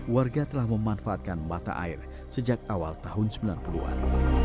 warga telah memanfaatkan mata air sejak awal tahun sembilan puluh an